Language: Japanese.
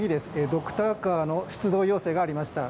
ドクターカーの出動要請がありました。